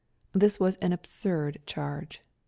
This was an absurd charge.